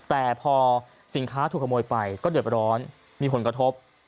แต่พอสินค้าถูกขโมยไปก็เดือดร้อนมีผลกระทบ